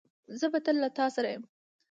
زه به تل له تاسره یم